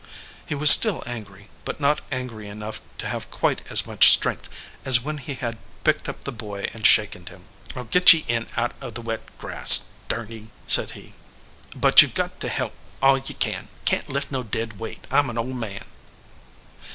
He was still angry, but not angry enough to have quite as much strength as when he had picked up the boy and shaken him. "I ll get ye in out of the wet grass, durn ye!" said he ; "but you ve got to help all ye can. Can t lift no dead weight. I m an old man."